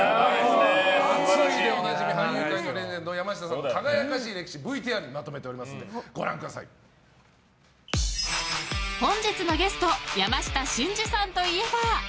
熱いでおなじみ俳優界のレジェンド山下真司さんの輝かしい歴史をＶＴＲにまとめておりますので本日のゲスト山下真司さんといえば。